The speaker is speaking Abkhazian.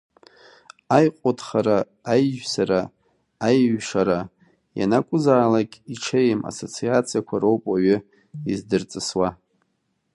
Аиҟәыҭхара, аиҩсара, аиҩшара ианакәызаалакгьы иҽеим ассоциациақәа роуп ауаҩы издырҵысуа.